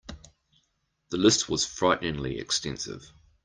The list was frighteningly extensive.